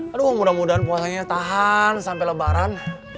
aduh mudah mudahan puasanya tahan sampai lebaran